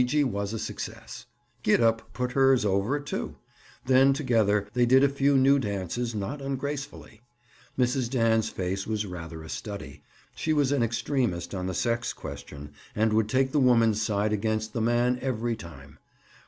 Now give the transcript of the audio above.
Gee gee was a success. Gid up put hers "over," too; then together they did a few new dances not ungracefully. Mrs. Dan's face was rather a study. She was an extremist on the sex question and would take the woman's side against the man every time.